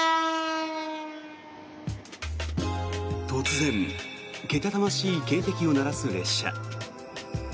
突然けたたましい警笛を鳴らす列車。